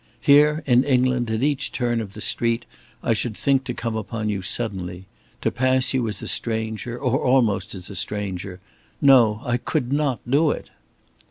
Here, in England, at each turn of the street, I should think to come upon you suddenly. To pass you as a stranger, or almost as a stranger. No! I could not do it!"